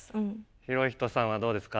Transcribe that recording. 裕仁さんはどうですか？